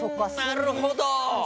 なるほど！